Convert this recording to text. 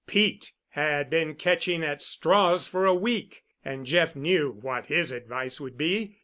Pete had been catching at straws for a week, and Jeff knew what his advice would be.